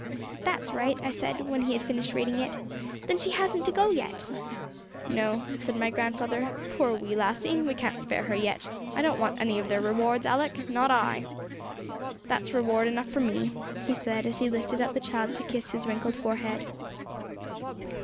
'That's right!' I said, when he had finished reading it. 'Then she hasn't to go yet!' 'No,' said my grandfather; 'poor wee lassie! we can't spare her yet. I don't want any of their rewards, Alick, not I! That's reward enough for me,' he said, as he lifted up the child to kiss his wrinkled forehead.